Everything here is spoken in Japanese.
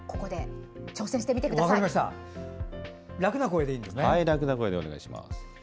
楽な声でお願いします。